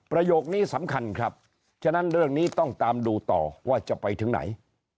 ประโยคนี้สำคัญครับฉะนั้นเรื่องนี้ต้องตามดูต่อว่าจะไปถึงไหน